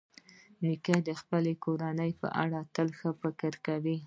نیکه د خپلې کورنۍ په اړه تل ښه فکر کوي.